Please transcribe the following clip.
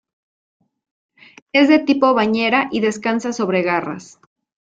Es de tipo bañera y descansa sobre garras.